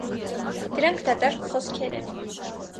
Դրանք դատարկ խոսքեր են: